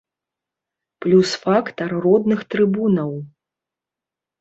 Плюс фактар родных трыбунаў.